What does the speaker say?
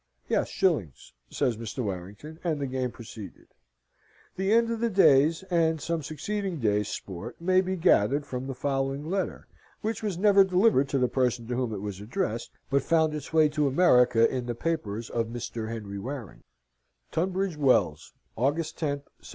"Yes, shillings," says Mr. Warrington, and the game proceeded. The end of the day's, and some succeeding days' sport may be gathered from the following letter, which was never delivered to the person to whom it was addressed, but found its way to America in the papers of Mr. Henry Warrington: "TUNBRIDGE WELLS, August 10, 1756.